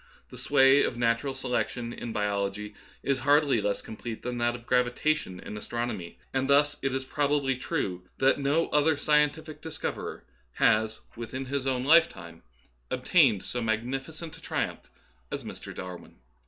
The sway of natural selection in biology is hardly less complete than that of gravitation in astron omy ; and thus it is probably true that no other scientific discoverer has within his own lifetime 4 Darwinism and Other Essays. obtained so magnificent a triumph as Mr. Dar win.